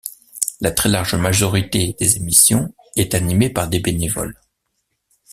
La très large majorité des émissions est animée par des bénévoles.